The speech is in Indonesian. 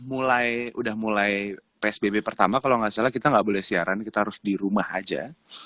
mulai udah mulai psbb pertama kalau nggak salah kita nggak boleh siaran kita harus di rumah aja